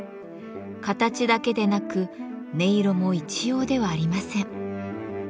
形だけでなく音色も一様ではありません。